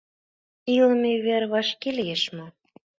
Илыме вер вашке лиеш мо?